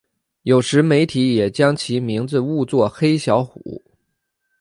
有时媒体也将其名字误作黑小虎。